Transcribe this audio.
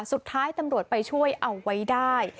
สุดท้ายตำรวจไปช่วยเอาไว้ได้